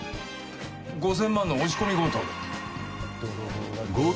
５０００万の押し込み強盗？